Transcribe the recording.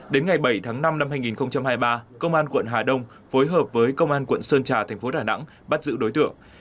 đến ngày bảy tháng năm năm hai nghìn hai mươi ba công an quận hà đông phối hợp với công an quận sơn trà thành phố đà nẵng bắt giữ đối tượng